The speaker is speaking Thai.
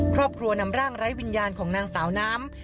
ครอบครัวนำร่างไร้วิญญาณของนางสาวน้ำ